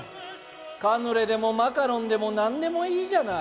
カヌレでもマカロンでも何でもいいじゃない。